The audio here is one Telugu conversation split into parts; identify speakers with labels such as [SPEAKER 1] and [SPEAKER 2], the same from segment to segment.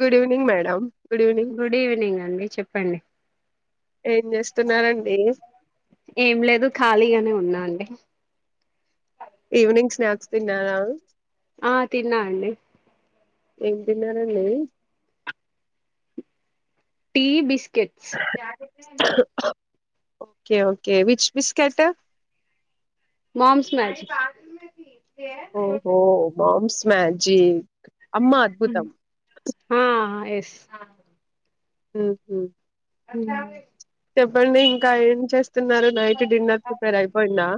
[SPEAKER 1] Good evening madam good evening
[SPEAKER 2] good evening అండి చెప్పండి
[SPEAKER 1] ఏం చేస్తున్నారండి
[SPEAKER 2] ఏం లేదు ఖాళీగానే ఉన్నా అండి
[SPEAKER 1] ఈవనింగ్ స్నాక్స్ తిన్నార
[SPEAKER 2] ఆ తిన్నా అండి
[SPEAKER 1] ఏం తిన్నారండి
[SPEAKER 2] టీ బిస్కెట్ కెట్స్
[SPEAKER 1] okay okay which biscuit
[SPEAKER 2] Mom's magic
[SPEAKER 1] ఓహో మామ్స్ మ్యాజిక్ అమ్మా అద్భుతం
[SPEAKER 2] ఆ ఎస్
[SPEAKER 1] ఉహు
[SPEAKER 2] [inaudible]
[SPEAKER 1] చెప్పండి ఇంకా ఏం చేస్త న్నారు నైట్ డిన్నర్ ప్రిపేర్ అయిపోయిందా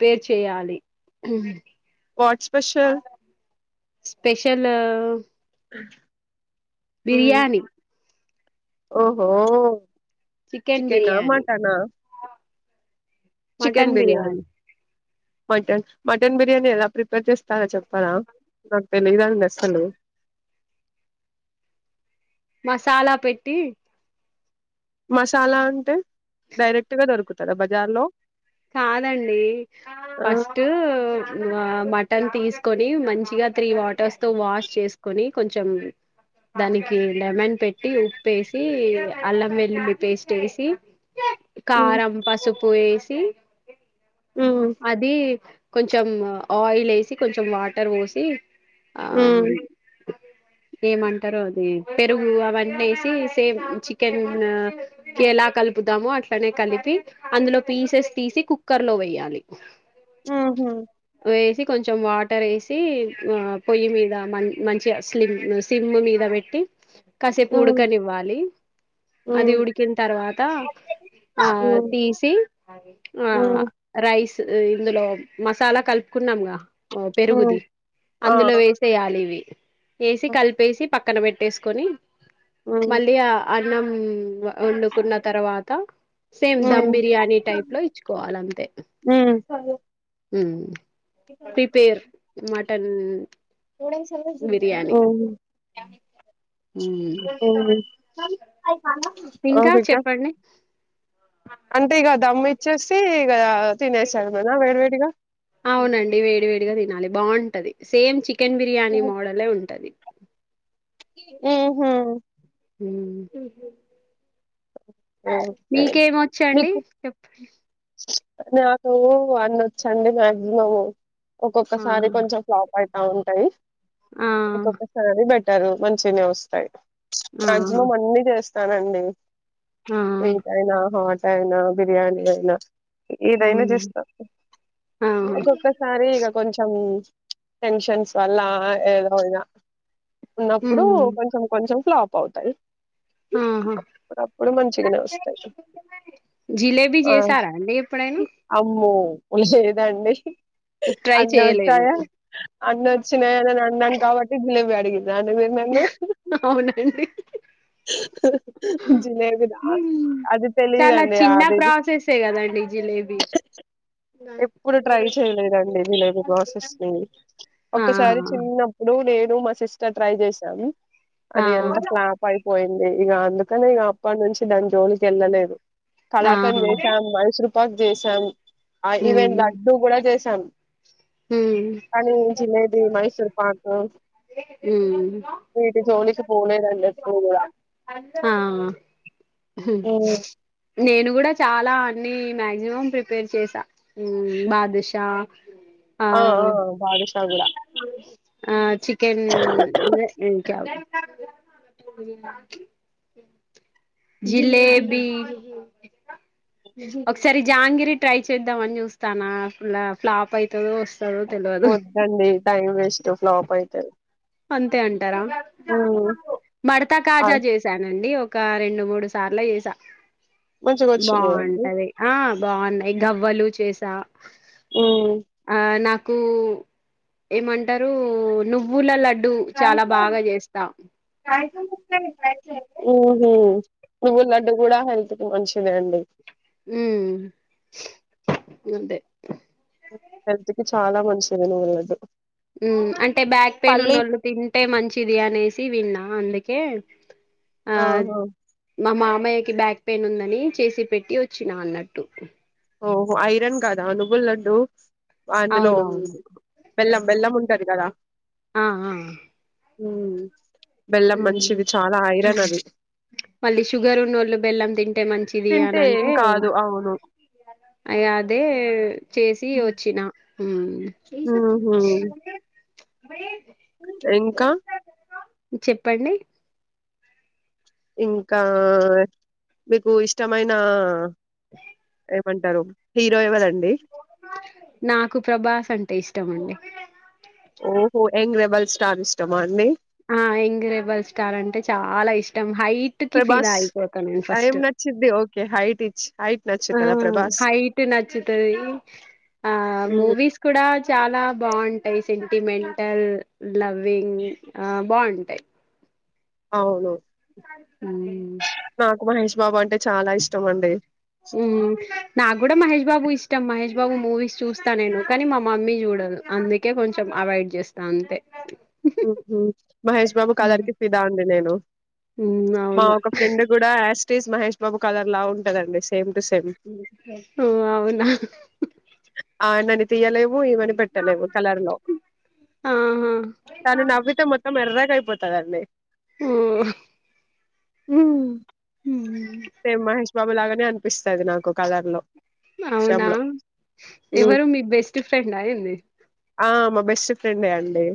[SPEAKER 2] ప్రిపేరు చేయాలి
[SPEAKER 1] వాట్ స్పెషల్
[SPEAKER 2] స్పెషల్
[SPEAKER 1] [inaudible] ఉమ్
[SPEAKER 2] బిర్యానీ
[SPEAKER 1] ఓహో చికెన్ ఆ మటనా
[SPEAKER 2] mutton biryani
[SPEAKER 1] mutton mutton biryani ఎలా ప్రిపేర్ చేస్తారో చెప్పరా నాకు తెలిదండి అసలు
[SPEAKER 2] మసాల పెట్టి
[SPEAKER 1] మసాల అంటే డైరెక్ట్ గా దొరుకుతద బజార్ లో
[SPEAKER 2] కాదండి
[SPEAKER 1] ఆహా!
[SPEAKER 2] ఫస్ట్ మటన్ తీసుకొని మంచిగ త్రీ వాటర్స్ తో వాష్ చేసుకొని కొంచెం దానికి లెమన్ పెట్టి ఉప్పేసి అల్లం వెల్లుల్లి పేస్ట్ వేసి
[SPEAKER 1] హ్మ్.
[SPEAKER 2] కారం పసుపు ఎషి హి
[SPEAKER 1] హ్మ్.
[SPEAKER 2] అది కొంచం ఆయిల్ ఎసి, కొంచెం వాటర్ పోసి ఆ
[SPEAKER 1] హుహు.
[SPEAKER 2] ఏమంటరో అది పెరుగు అవన్నీ ఏసి సేమ్ చికెన్ ఆ కి ఎలా కలుపుతామో అట్లనే కలిపి అందులో పీసెస్ తీసి కుక్కర్ లో వేయ్యాలి.
[SPEAKER 1] ఆ హ
[SPEAKER 2] వేసి కొంచెం వాటర్ ఏసి పొయ్యి మీద మ మంచిగ స్లిమ్ సిమ్ మీద పెట్టి. కాసేపు
[SPEAKER 1] హ్మ్.
[SPEAKER 2] ఉడకనివ్వాలి. అది ఉడికిన తర్వాత ఆ
[SPEAKER 1] హ్మ్.
[SPEAKER 2] తీసి ఆ
[SPEAKER 1] హ్మ్.
[SPEAKER 2] రై రైస్ ఇందులో మసాలా కలుపుకున్నాం గ ఓ పెరుగుది
[SPEAKER 1] హ్మ్. ఆ!
[SPEAKER 2] అందులో వేసేయాలి ఇవి. వేసి
[SPEAKER 1] హ్మ్.
[SPEAKER 2] కలిపేసి పక్కన పెట్టేసుకొని
[SPEAKER 1] హ్మ్.
[SPEAKER 2] మల్లి అఅది నం వండుకున్న తర్వాత. Same dum biryani type. ప్లోయిచ్చుకోవాలంతే.
[SPEAKER 1] హ్మ్.
[SPEAKER 2] ఉ పిపేర్ మటన్
[SPEAKER 1] [unintelligible]
[SPEAKER 2] బిర్యానీ
[SPEAKER 1] ఓ
[SPEAKER 2] హ్మ్ ఇంకా
[SPEAKER 1] ఒకేక
[SPEAKER 2] చెప్పండి
[SPEAKER 1] అంటే ఇగ దమ్ ఇచ్చేసి ఇగ
[SPEAKER 2] అవునండి వేడి వేడిగా తినాలి బాగుంటది. సేమ్ చి కెన్ బిర్యానీ మోడలే ఉంటది.
[SPEAKER 1] ఉహా
[SPEAKER 2] ఉ
[SPEAKER 1] ఓకే
[SPEAKER 2] మీకేమొచ్చండి
[SPEAKER 1] మీకు
[SPEAKER 2] చెప్పండి.
[SPEAKER 1] నాకు అన్ని వచ్చండి మాక్సిమం ఒక్కొక్కసారి
[SPEAKER 2] ఆహా
[SPEAKER 1] కొంచెం ఫ్లాప్ అ అ ఉంటాయి.
[SPEAKER 2] ఆ
[SPEAKER 1] ఒక్కక్క సాని బె అంటారు కొంచినే వస్తాయి.
[SPEAKER 2] ఆహా
[SPEAKER 1] మాక్సిమం అన్ని చేస్త స్తానండి
[SPEAKER 2] ఆ
[SPEAKER 1] స్వీట్ అయినా హాట్ అయినా బిర్యానీ అయినా ఏదైనా
[SPEAKER 2] ఉమ్
[SPEAKER 1] చేస్తాం
[SPEAKER 2] ఆహా
[SPEAKER 1] ఒక్కొక్కసారి ఇక కొంచెం టెన్షన్స్ వల్ల ఏదో ఇలా ఉన్నప్పుడు
[SPEAKER 2] ఉమ్
[SPEAKER 1] కొంచెం కొంచెం ఫ్లాప్ పోవుతాయి
[SPEAKER 2] ఆహా
[SPEAKER 1] కూడాప్పు మంచిగానే వస్తాయి
[SPEAKER 2] జిలేబీ
[SPEAKER 1] ఆ
[SPEAKER 2] చేసారా అండి ఎప్పుడైనా
[SPEAKER 1] అమ్మ ఉ లేదు అండి
[SPEAKER 2] ట్రై
[SPEAKER 1] అన్న
[SPEAKER 2] చేయలేదు
[SPEAKER 1] వచ్చాయా అన్న వచ్చినాయా నని అన్నాను కాబట్టి వి అడిగి నను తన్నను
[SPEAKER 2] అవునండి
[SPEAKER 1] జిలేబి
[SPEAKER 2] హ్మ్.
[SPEAKER 1] అది
[SPEAKER 2] చాలా
[SPEAKER 1] తెలిదుండి
[SPEAKER 2] చిన్న
[SPEAKER 1] అది
[SPEAKER 2] ప్రాసెసే కదండి జిలేబీ
[SPEAKER 1] ఎప్పుడు ట్రై చేయలేదండి జిలేబీ ప్రాసెస్ ని
[SPEAKER 2] ఆహా
[SPEAKER 1] ఒకసారి చిన్నప్పుడు నే నువ్వు మా సిస్టర్ ట్రై చేసాం
[SPEAKER 2] ఆ
[SPEAKER 1] అది ఎంత క్లాప్యిపోయింది ఈగా అందుకు అని ఈగ ఇప్పటి నుంచి దాని జోలికి వెళ్ళలేదు కలకంద్
[SPEAKER 2] ఆహా
[SPEAKER 1] చేసాం మైసూరు పక్ చేశాం ఆ ఈవెన్
[SPEAKER 2] ఉమ్
[SPEAKER 1] లడ్డూ కూడా చేశాను కానీ జిలేబి మైసూర్ పాక్ అ వీటి జోలికి పోలేదండి నేర్చుకోవాలి గా
[SPEAKER 2] అ ఆ
[SPEAKER 1] ఉమ్,
[SPEAKER 2] నేను కూడా చాలా అన్నీ మాక్సిమం ప్రిపేర్ చేసా బాదుషా
[SPEAKER 1] ఆ ఆ బాదుషా గూడా
[SPEAKER 2] ఆ చికెన్ క్యావ్ జిలేబీ ఒకసారి జాంగరి ట్రై చేద్దామని చూస్తానా ఫ్లాప్ అవుతుదో వస్
[SPEAKER 1] వద్దండి టైమ్ వేస్ట్ స్ట్లాప్ అయితది
[SPEAKER 2] అంతే అంటారా మడత కాజా చేసానండి ఒక రెండు మూడు సార్ల చేసా
[SPEAKER 1] మంచిగా వచ్చినాయి అండి
[SPEAKER 2] బాగుంటది ఆ బాగున్నాయి్ గవ్వలు చేసా
[SPEAKER 1] ఉం
[SPEAKER 2] ఆ నాకు ఏమంటారు నువ్వుల ల
[SPEAKER 1] ఉహు నువ్వులడ్డు కూడా హెల్త్ కి మంచిదే అండి
[SPEAKER 2] ఉం అంతే
[SPEAKER 1] హెల్త్ కి చాలా మంచిది నువ్వుల లడ్డు
[SPEAKER 2] అంటే బ్యాక్ పెయిన్
[SPEAKER 1] పల్లి
[SPEAKER 2] ఉన్నోళ్ళు తింటే మంచిది అనేసి విన్నా అందుకే
[SPEAKER 1] ఆహా
[SPEAKER 2] మ్మాయ్యకి బ్యాక్ పెయిన్ ఉందని చేసి పెట్టి వచ్చిన అన్నట్టు
[SPEAKER 1] ఓహో ఐరన్ కాదా నువ్వులడ్డు అందులో
[SPEAKER 2] అవునవును
[SPEAKER 1] బెల్లం బెల్లం ఉంటది కదా
[SPEAKER 2] ఆహా
[SPEAKER 1] ఉం
[SPEAKER 2] ఉం మళ్ళీ షుగర్ ఉన్నోళ్ళు బెల్లం తింటే మంచిది అని
[SPEAKER 1] తింటే ఏం
[SPEAKER 2] అంటే
[SPEAKER 1] కాదు అవును
[SPEAKER 2] అయదే చేసి వచ్చినా ఉం చే సచ్చి
[SPEAKER 1] ఉహు
[SPEAKER 2] మై
[SPEAKER 1] ఇంకా
[SPEAKER 2] చెప్పండి
[SPEAKER 1] ఇంకా మీకు ఇష్టమైన ఎంమటారు హీరో ఎవర
[SPEAKER 2] నాకు ప్రభాస్ అంటే ఇష్టమండి
[SPEAKER 1] ఎంగ్ రెబల్ స్టార్ ఇష్టమా అండి
[SPEAKER 2] ఆ ఎంగ్రేబల్ స్టార్ అంటే చాలా ఇష్టం హైట్ కి ఫిదా
[SPEAKER 1] ప్రభాస్
[SPEAKER 2] అయిపోతాను నేను
[SPEAKER 1] ఏం
[SPEAKER 2] ఫస్ట్
[SPEAKER 1] నచ్చిద్ది ఓకే హైట్ ఇచ్ హైట్
[SPEAKER 2] ఆ
[SPEAKER 1] నచ్చుతదా ప్రభాస్
[SPEAKER 2] హైట్ నచ్చుతది ఆ
[SPEAKER 1] ఉమ్
[SPEAKER 2] మూవీస్ కూడా చాలా బాగుంటాయి సెంటిమెంటల్ లవింగ్ ఆ బాగుంటాయి
[SPEAKER 1] అవును నాకు
[SPEAKER 2] హ్
[SPEAKER 1] మహేష్ బాబు అంటే చాలా ఇష్టం అండి
[SPEAKER 2] ఉ నా గూడా మహేష్ బాబు ఇష్ ష్టం మహేష్ బాబు మూవీస్ చూస్తా నేను కానీ మా మమ్మీ చూడాదు. అందుకే కొంచం అవాయిడ్ చేస్తా అంతే
[SPEAKER 1] ఉహ్ మహేష్ బాబు
[SPEAKER 2] మ్మ్
[SPEAKER 1] కలర్కి ఫిదా అండి. నేను
[SPEAKER 2] మ్మ్
[SPEAKER 1] మా
[SPEAKER 2] అవును
[SPEAKER 1] ఒక ఫ్రెండ్ కూడా యాస్ టిస్స్ మహేష్ బాబు కలర్లా ఉంటదండి. Same to same.
[SPEAKER 2] ఓ అవునా
[SPEAKER 1] ఆయనని తీయలేము. ఇవన్నీ పెట్టలేము. కలర్లో
[SPEAKER 2] ఆహా
[SPEAKER 1] అయన నవ్వితే మొత్తం ఎర్రగయిపోతది అండి.
[SPEAKER 2] హ్
[SPEAKER 1] ఉమ్
[SPEAKER 2] ఉమ్మ్
[SPEAKER 1] బాబు లాగానే అనిపిస్తది. నాకు కలర్ లో
[SPEAKER 2] అవునా
[SPEAKER 1] హ్మ్.
[SPEAKER 2] ఎవరు మీ బెస్ట్ ఫ్రెండ ఏంది.
[SPEAKER 1] ఆ మా బెస్ట్ ఫ్రెండే అండి.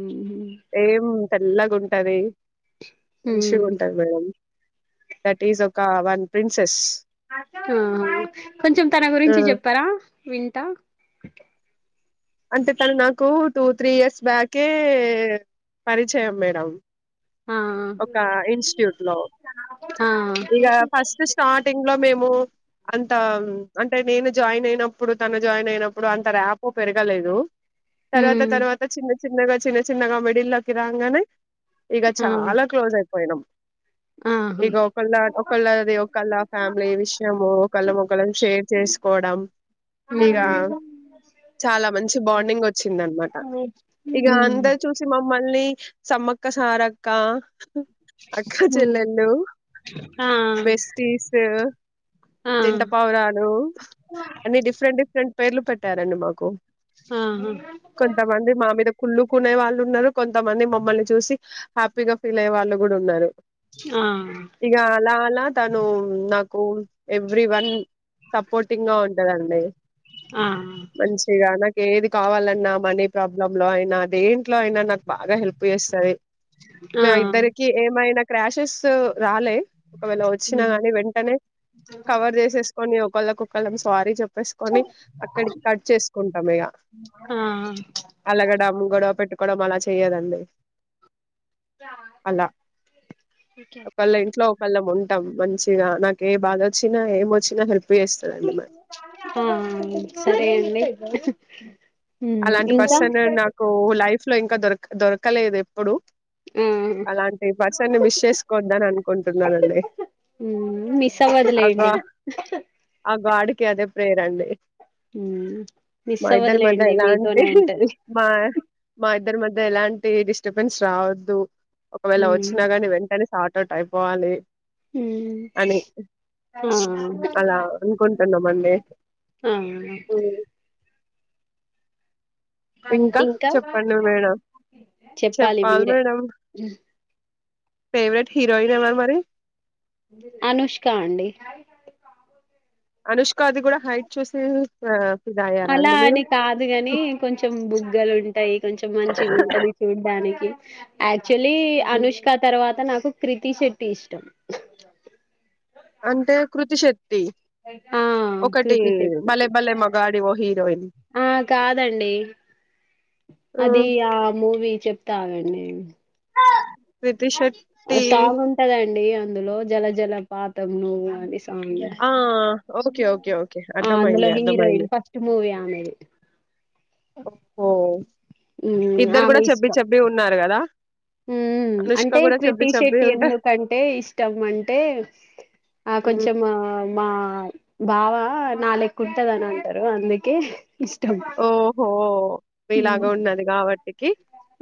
[SPEAKER 2] ఉహు
[SPEAKER 1] తెల్లగా ఉంటది. మంచిగా
[SPEAKER 2] ఉమ్
[SPEAKER 1] ఉంటంది. మేడం దట్ ఈస్ ఒక వన్ ప్రిన్సెస్
[SPEAKER 2] ఆ కొంచం తన
[SPEAKER 1] ఆ!
[SPEAKER 2] గురించి చెప్పారా వింటా
[SPEAKER 1] అంటే తను నాకు టూ త్రీ ఇయర్స్ బ్యాకే పరిచయం మేడం
[SPEAKER 2] ఆ
[SPEAKER 1] ఒక ఇన్స్టిట్యూట్ లో
[SPEAKER 2] ఆ
[SPEAKER 1] ఇగ ఫస్ట్ స్టార్టింగ్ లో మేము అంత అంటే నేను జాయిన్ అయినప్పుడు తను జాయిన్ అయినప్పుడు అంత ర్యాపో పెరగలేదు. తర్వాత
[SPEAKER 2] ఉమ్
[SPEAKER 1] తర్వాత చిన్న చిన్నగా చిన్న చిన్నగా మీడిల్క్కి రాంగానే ఇగ
[SPEAKER 2] ఆ
[SPEAKER 1] చాలా క్లోజ్ అయిపోయినం.
[SPEAKER 2] ఆహా
[SPEAKER 1] ఇగా ఒకళ్ళ ఒకళ్ళది ఒకళ్ళ ఫ్యామిలీ విషయము ఒకళ ఒకళ్ళము షేర్ చేసుకోవడం. ఇక
[SPEAKER 2] ఉమ్
[SPEAKER 1] చాలా మంచి బాండింగ్ వొచ్చింది. అన్నమాట ఇక
[SPEAKER 2] ఉమ్
[SPEAKER 1] అందరు చూసి మమ్మల్ని సమ్మక్క సారక్క అక్క
[SPEAKER 2] ఉమ్.
[SPEAKER 1] చెల్లెళ్ళు,
[SPEAKER 2] ఆ
[SPEAKER 1] బెస్టీస్,
[SPEAKER 2] ఆ ఆహా
[SPEAKER 1] జంటపావురాలు, అన్ని డిఫరెంట్ డిఫరెంట్ పేర్లు పెట్టారండి. మాకు కొంతమంది మా మీద కుళ్లుకునే వాళ్ళు ఉన్నారు. కొంతమంది మమ్మల్ని చూసి హ్యాప్పిగా ఫీలయే వాళ్ళు కూడా ఉన్నారు.
[SPEAKER 2] ఆ
[SPEAKER 1] ఇక అలా అలా తను నాకు ఎవ్రీ వన్ సపోర్టింగ్ గా ఉ తినండి
[SPEAKER 2] ఆ
[SPEAKER 1] మంచిగానా ఏది కావాలన్నా మనీ ప్రాబ్లం లో అయినా అది ఇట్లో అయినా నాకు బాగా హెల్ప్ చేస్తది
[SPEAKER 2] ఆ
[SPEAKER 1] అ ఇద్దరికి ఏం యినా క్రాషెస్ రాలే ఒకవేళ వచ్చినా
[SPEAKER 2] ఉమ్,
[SPEAKER 1] గాని వెంటనే కవర్ చేసేసుకొని ఒకలో ఒకలాం సారి చెప్ ప్పేసుకొని అక్కడికి కట్ చేసుకుంటాం ఇక,
[SPEAKER 2] ఆ
[SPEAKER 1] అలగడం గొడవ పెట్టుకోవడం అలా చెయ్యదండి. అలా ఒకేళ ఇంట్లో ఒకళ ఉంటాం మంచిగా నాక ఏ బాధ వచ్చినా ఏం వచ్చినా హెల్ప్ చేస్తదండి మరి
[SPEAKER 2] ఆ సరే అండి ఉమ్,
[SPEAKER 1] అలాంటి పర్సన్
[SPEAKER 2] ఇంకా
[SPEAKER 1] నాకు లైఫ్ లో ఇంకా దొరక దొరకలేదు ఎప్
[SPEAKER 2] ఆ
[SPEAKER 1] అలాంటి పర్సన్ ని మిస్ చేసుకోందని అనుకుంటున్నానండి
[SPEAKER 2] మిస్
[SPEAKER 1] ఆగా
[SPEAKER 2] అవ్వదులేండి
[SPEAKER 1] ఆగాడికి అదే వేరండి
[SPEAKER 2] హుమ్ మిస్ అవ్వదు లేండి
[SPEAKER 1] ఎలా అంటే మా మ ఇద్దరి మధ్య ఎలాంటి డిస్టర్బెన్స్ రావద్దు ఒకవేళ వచ్చినా గాని వెంటనే ఆటోటైపోవాలి అని
[SPEAKER 2] ఆ
[SPEAKER 1] అలా అనుకుంట మందే
[SPEAKER 2] వన్ డే
[SPEAKER 1] ఇంకా చెప్పండి మేడం
[SPEAKER 2] చెప్పాలి
[SPEAKER 1] చెప్పాల్
[SPEAKER 2] మీరే
[SPEAKER 1] మేడం ఫెవరెట్ హిరోయిన్ ఎవరు మేడం
[SPEAKER 2] అనుష్కా అండి
[SPEAKER 1] అనుష్క అది గుడా హైట్ చూసి ఇష్టమ
[SPEAKER 2] అలా అని కాదు కాని కొంచెం బుగ్గలు ఉంటాయి కొంచెం మంచిగా ఉంటది చూడ్డానికి ఆ యాక్చువలీ
[SPEAKER 1] హ్మ్.
[SPEAKER 2] అనుష్క తర్వాత నాకు హు క్రీతీ శెట్టి ఇష్టం.
[SPEAKER 1] అంటే కృతి శెట్టి
[SPEAKER 2] ఆ
[SPEAKER 1] ఒకటి
[SPEAKER 2] కృతి
[SPEAKER 1] భలే
[SPEAKER 2] చెప్పుద్ది
[SPEAKER 1] భలే మగాడివో హీరోయిన్
[SPEAKER 2] ఆ కాదండి
[SPEAKER 1] ఆ
[SPEAKER 2] అది ఆ మూవీ చెప్ తాగండి
[SPEAKER 1] కృతి
[SPEAKER 2] ఆ
[SPEAKER 1] శెట్టి
[SPEAKER 2] సాంగ్ ఉంటదండి అందులో జల జల పాతం నువ్వు అని సాంగ్
[SPEAKER 1] ఆ ఓకే ఓకే ఓకే
[SPEAKER 2] ఆ
[SPEAKER 1] అర్థమయింది
[SPEAKER 2] అందులో
[SPEAKER 1] అర్ధమైంది.
[SPEAKER 2] హీరోయిన్ ఫస్ట్ మూవీ ఆమెది
[SPEAKER 1] ఓహో ఇద్దరు కూడా చెబ్బి చెబి ఉన్నారు కదా
[SPEAKER 2] ఉ
[SPEAKER 1] అనుష్క
[SPEAKER 2] అంటే
[SPEAKER 1] కూడా చెబ్బి
[SPEAKER 2] క్రితి
[SPEAKER 1] చెబ్బి
[SPEAKER 2] శెట్టి
[SPEAKER 1] ఉంటే
[SPEAKER 2] ఎందుకంటే ఇష్టం అంటే ఆ
[SPEAKER 1] హ్మ్.
[SPEAKER 2] కొంచెం మా బావ నా లెక్క ఉంటదని అంటరు అందుకే ఇష్టం
[SPEAKER 1] ఓహో మీలాగ
[SPEAKER 2] హ్మ్
[SPEAKER 1] ఉన్నది కాబట్టి ఎకి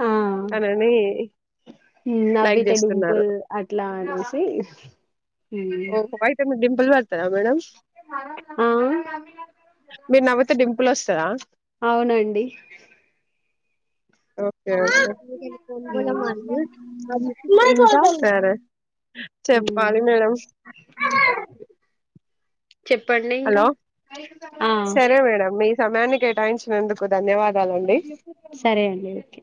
[SPEAKER 2] ఆ
[SPEAKER 1] తనని లైక్
[SPEAKER 2] నవ్వితే
[SPEAKER 1] చేస్తున్నారు
[SPEAKER 2] డింపుల్ అట్లా అనేసి
[SPEAKER 1] ఓహో అయితే మీకు డింపుల్ బడతాద మేడమ్
[SPEAKER 2] ఆ
[SPEAKER 1] మీరు నవ్వుతె డింపుల్ వస్తాదా
[SPEAKER 2] అవునండి
[SPEAKER 1] ఓకే
[SPEAKER 2] ఇంకా
[SPEAKER 1] ఓకే సరే చెప్పాలి మేడం
[SPEAKER 2] చెప్పండి ఇంకా
[SPEAKER 1] హలో
[SPEAKER 2] ఆ
[SPEAKER 1] సరే మేడం మీ సమయాన్ని కేటాయించినందుకు ధన్యవాదాలండి.
[SPEAKER 2] సరే అండి ఓకే